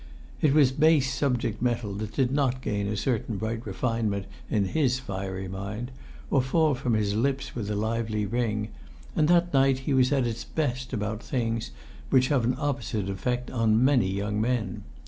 It was base subject metal that did not gain a certain bright refinement in his fiery mind, or fall from his lips with a lively ring; and that night he was at his best about things which have an opposite effect on many young men.